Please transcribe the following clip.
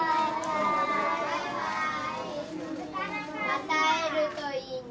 また会えるといいね。